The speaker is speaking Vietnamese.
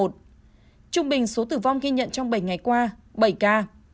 trung bình số tử vong ghi nhận trong bảy ngày qua bảy ca